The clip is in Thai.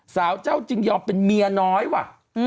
สาวเจ้าจึงยอมเป็นเมียน้อยว่ะ